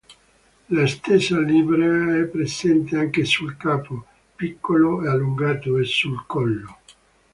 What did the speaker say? La stessa livrea è presente anche sul capo, piccolo e allungato, e sul collo.